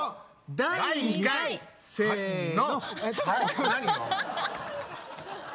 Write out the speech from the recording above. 第２回せの！